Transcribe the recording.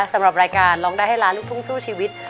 สำหรับรายการร้องได้ให้ล้านลูกทุ่งสู้ชีวิต